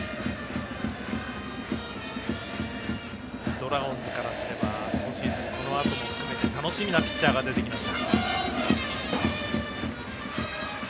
ドラゴンズからすれば今シーズン、このあとも含めて楽しみなピッチャーが出てきました。